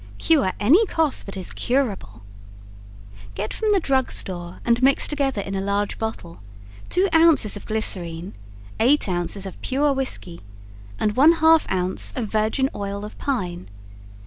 Cure Any Cough That is Curable Get from the drugstore, and mix together in a large bottle, 2 ounces of glycerine, 8 ounces of pure whisky and 1/2 ounce of virgin oil of pine.